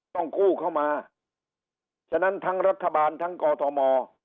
ต้องกู้เข้ามาฉะนั้นทั้งรัฐบาลทั้งกอทม